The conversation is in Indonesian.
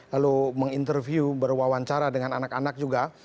lalu menginterview berwawancara dengan anak anak juga